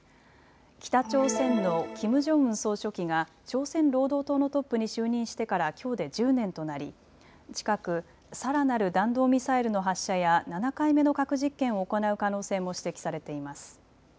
北朝鮮のキム・ジョンウン総書記が朝鮮労働党のトップに就任してからきょうで１０年となり近く、さらなる弾道ミサイルの発射や７回目の核実験を行う可能性も指摘されています。